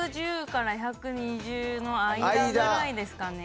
１１０から１２０の間ぐらいですかね。